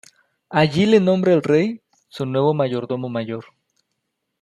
Allí le nombra el rey su nuevo Mayordomo mayor.